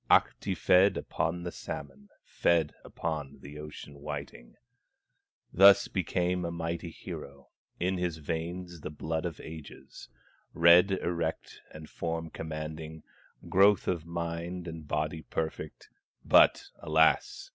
Ahti fed upon the salmon, Fed upon the ocean whiting, Thus became a mighty hero, In his veins the blood of ages, Head erect and form commanding, Growth of mind and body perfect; But alas!